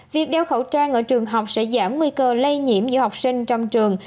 việc đeo khẩu trang ở trường học sẽ giảm nguy cơ lây nhiễm giữa học sinh trong trường